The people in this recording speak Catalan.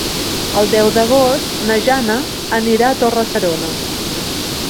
El deu d'agost na Jana anirà a Torre-serona.